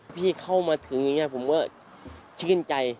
พี่เข้ามาถึงผมก็ชื่นใจ